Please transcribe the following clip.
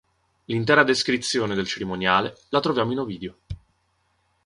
L'intera descrizione del cerimoniale la troviamo in Ovidio.